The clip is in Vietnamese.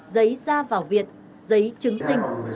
giấy ra vào việt giấy chứng sinh